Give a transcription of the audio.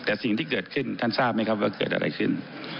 แต่สิ่งที่เกิดขึ้นท่านทราบไหมครับว่าเกิดอะไรขึ้น